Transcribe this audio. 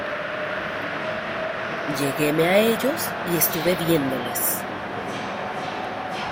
lleguéme a ellos y estuve viéndoles.